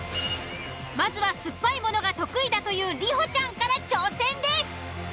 まずは酸っぱいものが得意だという里帆ちゃんから挑戦です。